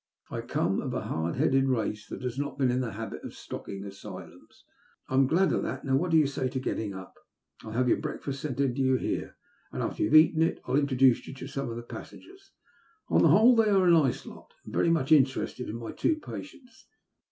I come of a hard headed race that has not been in the habit of stocking asylums." '' I am glad of that. Now what do yon say to get ting up ? I'll have your breakfast sent to you in here, and after you've eaten it, I'll introduce you to some of the passengers. On the whole, they are a nice lot, and very much interested in my two patients."